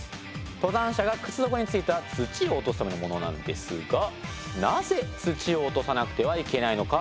登山者が靴底に付いた土を落とすためのものなんですがなぜ土を落とさなくてはいけないのか。